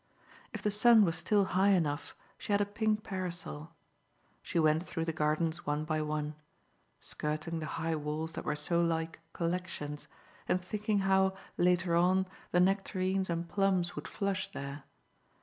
If the sun was still high enough she had a pink parasol. She went through the gardens one by one, skirting the high walls that were so like "collections" and thinking how, later on, the nectarines and plums would flush there.